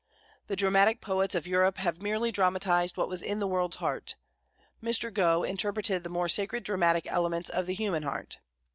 The dramatic poets of Europe have merely dramatised what was in the world's heart; Mr. Gough interpreted the more sacred dramatic elements of the human heart.